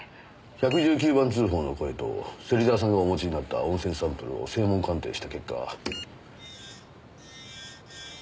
１１９番通報の声と芹沢さんがお持ちになった音声サンプルを声紋鑑定した結果。